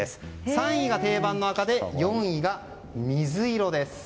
３位は定番の赤で４位が水色です。